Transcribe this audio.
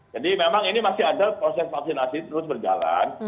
jadi memang ini masih ada proses vaksinasi terus berjalan